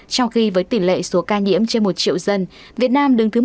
trong khi với tỉ lệ số ca nhiễm trên một triệu dân